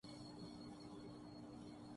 وفادار کتے کی کہانی پر مبنی فلم کا ٹریلر ریلیز